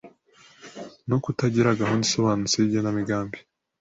no kutagira gahunda isobanutse y’igenamigambi